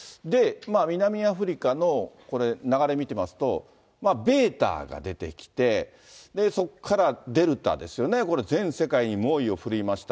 南アフリカの流れ見てみますと、ベータが出てきて、そこからデルタですよね、これ、全世界に猛威を振るいました。